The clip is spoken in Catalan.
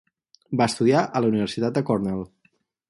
Va estudiar a la Universitat Cornell.